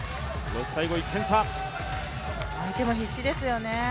相手も必死ですよね。